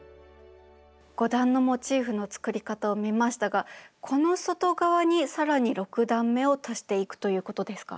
５段のモチーフの作り方を見ましたがこの外側に更に６段めを足していくということですか？